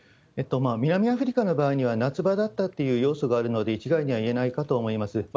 南アフリカの場合には、夏場だったという要素があるので、一概には言えないかと思います。